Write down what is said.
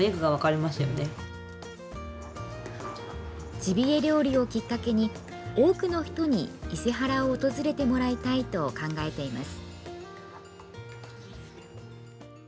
ジビエ料理をきっかけに多くの人に伊勢原を訪れてもらいたいと考えています。